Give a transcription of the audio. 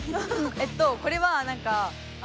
えっとこれはなんかあ！